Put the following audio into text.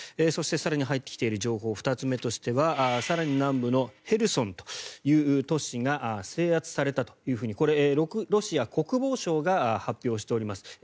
そして、更に入ってきている情報２つ目としては更に南部のヘルソンという都市が制圧されたというふうにこれ、ロシア国防省が発表しております。